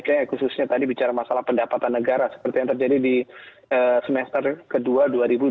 khususnya tadi bicara masalah pendapatan negara seperti yang terjadi di semester kedua dua ribu dua puluh